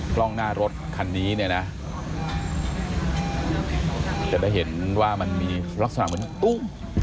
กล้องหน้ารถคันนี้เนี่ยนะจะได้เห็นว่ามันมีลักษณะเหมือนตุ้ม